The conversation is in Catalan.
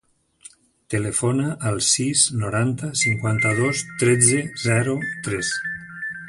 Telefona al sis, noranta, cinquanta-dos, tretze, zero, tres.